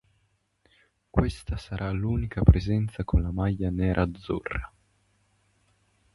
Questa sarà l'unica presenza con la maglia nerazzurra.